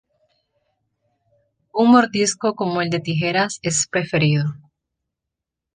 Un mordisco como el de tijeras es preferido.